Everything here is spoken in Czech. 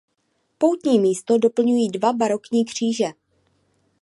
Poutní místo doplňují dva barokní kříže.